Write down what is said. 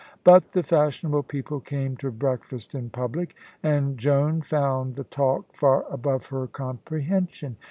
But the fashionable people came to breakfast in public, and Joan found the talk far above her comprehension.